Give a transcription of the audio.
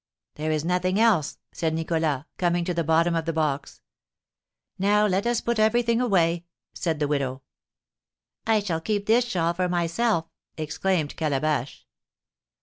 "There is nothing else," said Nicholas, coming to the bottom of the box. "Now, let us put everything away," said the widow. "I shall keep this shawl for myself," exclaimed Calabash.